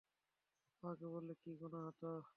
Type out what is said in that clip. আমাকে বললে কি গুনাহ হত?